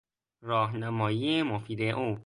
راهنمایی مفید او